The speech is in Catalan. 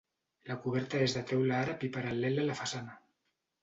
La coberta és de teula àrab i paral·lela a la façana.